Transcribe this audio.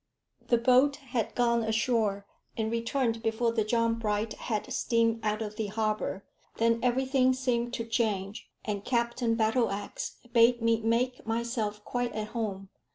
The boat had gone ashore and returned before the John Bright had steamed out of the harbour. Then everything seemed to change, and Captain Battleax bade me make myself quite at home.